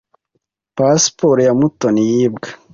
Pasiporo ya Mutoni yibwe.